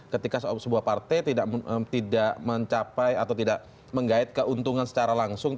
ketika sebuah partai tidak mencapai atau tidak menggait keuntungan secara langsung